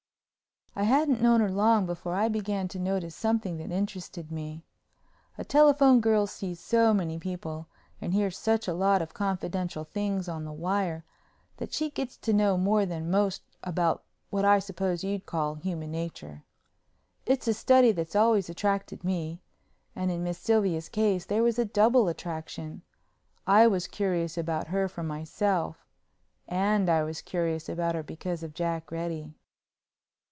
I hadn't known her long before I began to notice something that interested me. A telephone girl sees so many people and hears such a lot of confidential things on the wire, that she gets to know more than most about what I suppose you'd call human nature. It's a study that's always attracted me and in Miss Sylvia's case there was a double attraction—I was curious about her for myself and I was curious about her because of Jack Reddy.